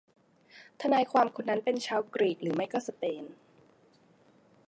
ทนายความคนนั้นเป็นชาวกรีกหรือไม่ก็สเปน